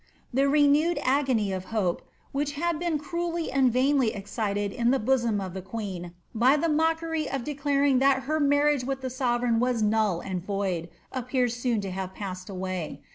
'" The renewed agony of hope, which had been cruelly and vainly ex cited in the bosom of the queen by the mockery of declaring that her mariiage with the sovereign was null and void, appears soon to have passed away.